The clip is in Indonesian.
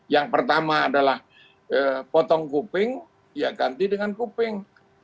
yang pertama adalah potong kuping ya ganti dengan kuping